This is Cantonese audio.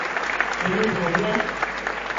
你要做咩？